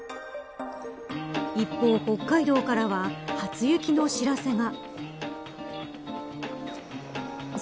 一方、北海道からは初雪の知らせが。